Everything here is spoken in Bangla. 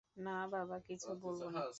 না বাবা, কিছু বলব না।